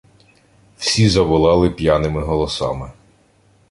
Всі заволали п'яними голосами: